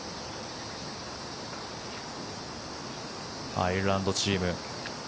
アイルランドチーム。